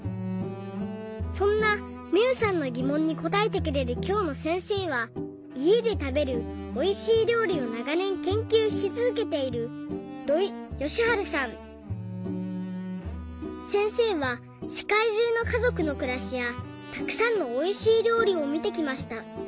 そんなみゆさんのぎもんにこたえてくれるきょうのせんせいはいえでたべるおいしい料理をながねん研究しつづけているせんせいはせかいじゅうのかぞくのくらしやたくさんのおいしい料理をみてきました。